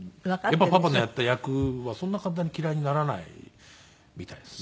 やっぱりパパのやった役はそんな簡単に嫌いにならないみたいですね。